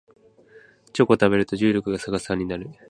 チョコを食べると重力が逆さになる